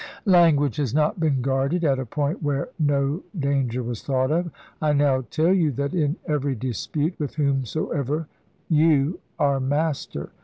Language has not been guarded at a point where no danger was thought of. I now teU you that in every dispute, with whomsoever, you are master.